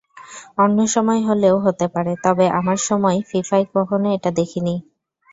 অন্য সময় হলেও হতে পারে, তবে আমার সময় ফিফায় কখনো এটা দেখিনি।